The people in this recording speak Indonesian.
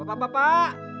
bapak bapak pak